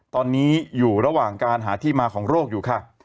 ตอนนี้อยู่ระหว่างการหาที่มาของโรคอยู่ค่ะ